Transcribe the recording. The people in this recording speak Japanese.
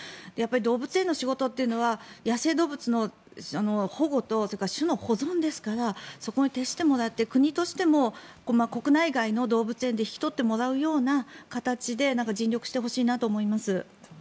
動物園の仕事というのは野生動物の保護とそれから種の保存ですからそこに徹してもらって国としても国内外の動物園で引き取ってもらうような形で尽力してほしいなと思います。